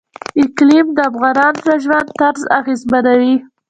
اقلیم د افغانانو د ژوند طرز اغېزمنوي.